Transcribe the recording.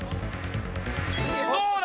どうだ？